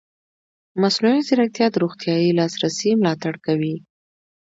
مصنوعي ځیرکتیا د روغتیايي لاسرسي ملاتړ کوي.